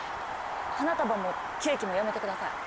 花束もケーキもやめてください。